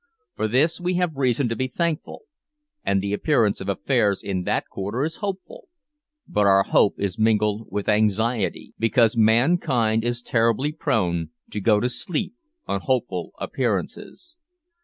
For this we have reason to be thankful; and the appearance of affairs in that quarter is hopeful, but our hope is mingled with anxiety, because mankind is terribly prone to go to sleep on hopeful appearances.